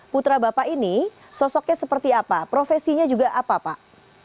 putra bapak ini sosoknya seperti apa profesinya juga apa pak